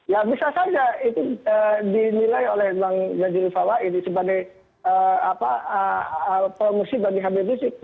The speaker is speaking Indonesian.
ya bisa saja itu dinilai oleh bang jajil fawai sebagai pemusi bagi abib rizie